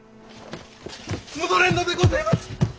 戻れんのでごぜます！